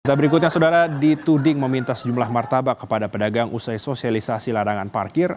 setelah berikutnya saudara dituding meminta sejumlah martabak kepada pedagang usai sosialisasi larangan parkir